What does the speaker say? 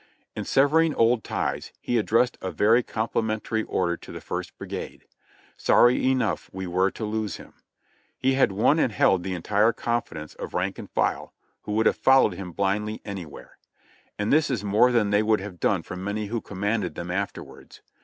In severing old ties, he addressed a very complimentary order to the First Brigade. Sorry enough were we to lose him. He had won and held the entire confidence of rank and file, who would have followed him blindly anywhere ; and this is more than they would have done for many who commanded them after wards.